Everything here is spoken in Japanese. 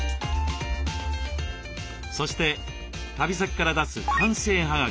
そして旅先から出す官製はがきと切手。